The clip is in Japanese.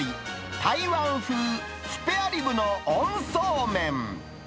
台湾風スペアリブの温そうめん。